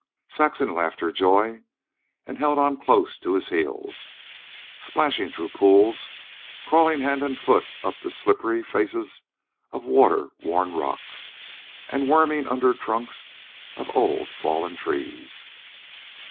Saxon laughed her joy and held on close to his heels, splashing through pools, crawling hand and foot up the slippery faces of water worn rocks, and worming under trunks of old fallen trees.